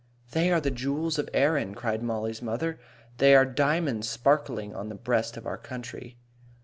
"They are the jewels of Erin," cried Mollie's mother. "They are diamonds sparkling on the breast of our country."